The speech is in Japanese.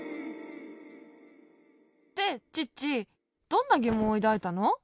でチッチどんなぎもんをいだいたの？